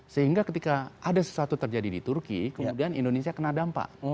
sehingga ketika ada sesuatu terjadi di turki kemudian indonesia kena dampak